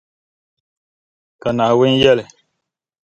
Ka Naawuni yεli.